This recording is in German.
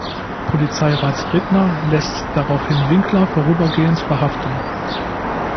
Polizeirat Rittner lässt daraufhin Winkler vorübergehend verhaften.